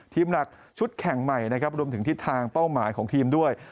หนักชุดแข่งใหม่นะครับรวมถึงทิศทางเป้าหมายของทีมด้วย